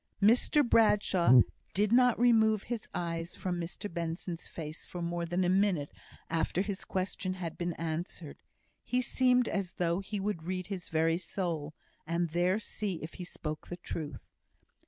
Mr Bradshaw did not remove his eyes from Mr Benson's face for more than a minute after his question had been answered. He seemed as though he would read his very soul, and there see if he spoke the truth.